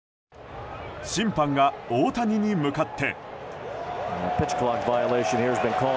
審判が大谷に向かって。